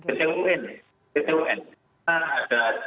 kita langkah hukum yang berbuka yang kita pakai